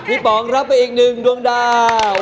ป๋องรับไปอีกหนึ่งดวงดาว